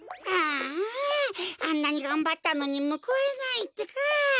あああんなにがんばったのにむくわれないってか。